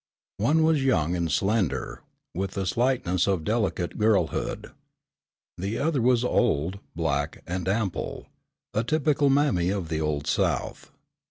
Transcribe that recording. One was young and slender with the slightness of delicate girlhood. The other was old, black and ample, a typical mammy of the old south.